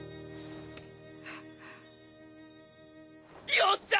よっしゃ！